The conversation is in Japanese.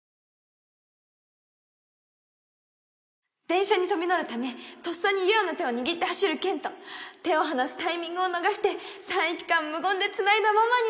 電車に飛び乗るためとっさに優愛の手を握って走る健人手を離すタイミングを逃して３駅間無言でつないだままになるエピね